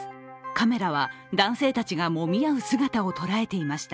カメラは男性たちがもみ合う姿を捉えていました。